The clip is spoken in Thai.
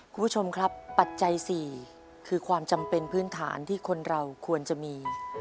คุณผู้ชมครับปัจจัย๔คือความจำเป็นพื้นฐานที่คนเราควรจะมี